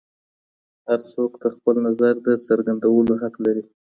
هر څوک د خپل نظر د څرګندولو حق لري.